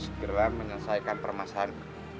segera menyelesaikan permasalahan